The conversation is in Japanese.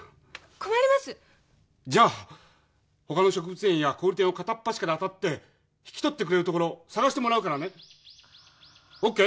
困ります！じゃほかの植物園や小売店を片っ端から当たって引き取ってくれる所探してもらうからね！ＯＫ？